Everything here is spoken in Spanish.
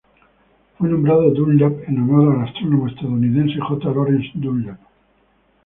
Fue nombrado Dunlap en honor al astrónomo estadounidense J. Lawrence Dunlap.